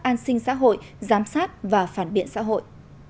an sinh xã hội giám sát và phản biện xã hội